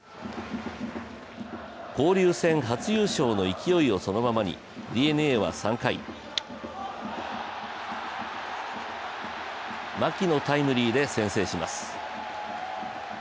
交流戦初優勝の勢いをそのままにＤｅＮＡは３回、４番・牧のタイムリーで先制します。